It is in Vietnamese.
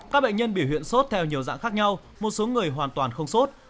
các bệnh nhân biểu hiện sốt theo nhiều dạng khác nhau một số người hoàn toàn không sốt